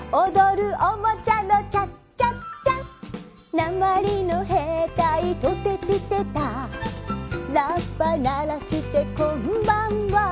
「なまりのへいたいトテチテタ」「ラッパならしてこんばんは」